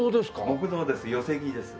木造です寄せ木です。